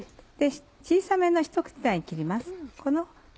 小さめのひと口大に切ります。